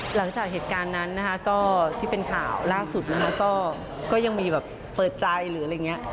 หลังจากเหตุการณ์นั้นนะคะก็ที่เป็นข่าวล่าสุดนะคะก็ยังมีแบบเปิดใจหรืออะไรอย่างนี้